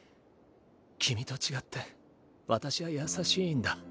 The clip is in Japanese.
君と違って私は優しいんだ。